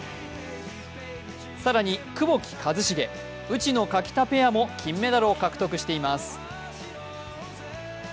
更に窪木一茂、内野・垣田ペアも金メダルを獲得しています。